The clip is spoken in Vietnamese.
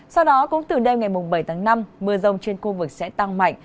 sau đó cũng từ đêm ngày bảy tháng năm mưa rông trên khu vực sẽ tăng mạnh